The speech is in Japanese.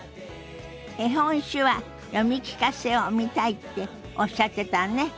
「絵本手話読み聞かせ」を見たいっておっしゃってたわね。